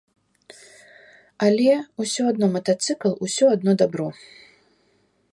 Але, усё адно матацыкл, усё адно дабро.